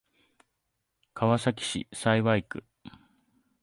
川崎市幸区